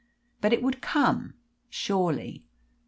But it would come, surely.